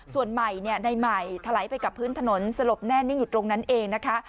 ส่วนใหม่ในใหม่ถลายไปกับพื้นถนนสลบแน่นิ่งอยู่ตรงนั้นเองนะคะ